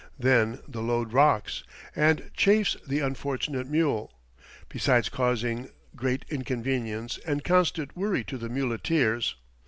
Then the load rocks, and chafes the unfortunate mule, besides causing great inconvenience and constant worry to the muleteers.